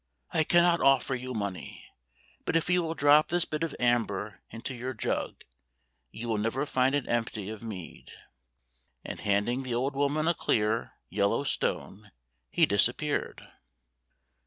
" I cannot offer you money, but if you will drop this bit of amber into your jug, you will never find it empty of mead." And handing the old woman a clear, yellow stone, he disappeared.